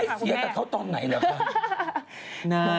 ไม่ได้เสียแต่เขาตอนไหนละค่ะ